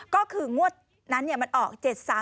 ก็คืองวดนั้นเนี่ยมันออก๗๓๔๕๑๐